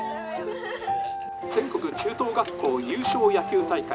「全国中等学校優勝野球大会」。